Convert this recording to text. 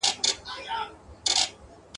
تر بور به وي پښېمانه د پېړیو له بدیو !.